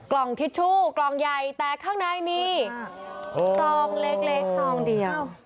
กล่องทิชชู่กล่องใยแต่ข้างในมีสองเล็กสองเดียว